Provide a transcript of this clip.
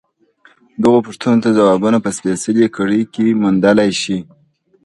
دغو پوښتنو ته ځوابونه په سپېڅلې کړۍ کې موندلای شو.